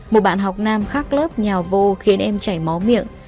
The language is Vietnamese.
một bạn học nam khắc lớp nhào vô khiến em chảy mó miệng